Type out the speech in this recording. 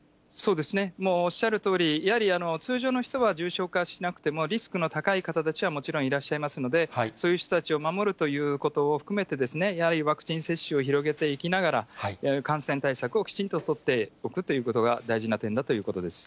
おっしゃるとおり、通常の人は重症化しなくても、リスクの高い方たちはもちろんいらっしゃいますので、そういう人たちを守るということを含めて、やはりワクチン接種を広げていきながら、感染対策をきちんと取っておくということが大事な点だということです。